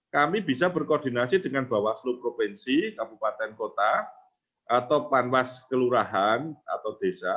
kami bisa berkoordinasi dengan bawaslu provinsi kabupaten kota atau panwas kelurahan atau desa